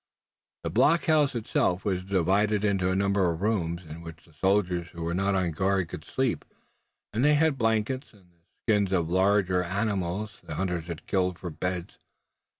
The blockhouse itself, was divided into a number of rooms, in which the soldiers who were not on guard could sleep, and they had blankets and the skins of the larger animals the hunters killed for beds.